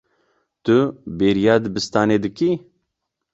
Tu bêriya dibistanê dikî.